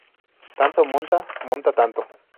Tanto monta, monta tanto